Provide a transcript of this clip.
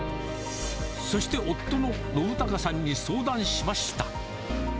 そして夫の信孝さんに相談しました。